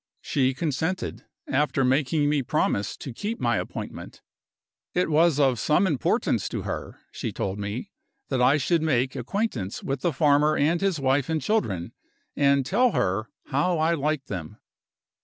She consented, after making me promise to keep my appointment. It was of some importance to her, she told me, that I should make acquaintance with the farmer and his wife and children, and tell her how I liked them.